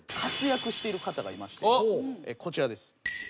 こちらです。